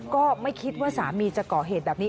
ก็ไม่คิดว่าสามีจะก่อเหตุแบบนี้